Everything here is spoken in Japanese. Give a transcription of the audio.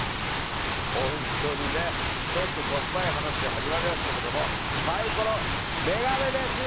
本当にね、ちょっとしょっぱい話で始まりましたけどサイコロメガネ飯！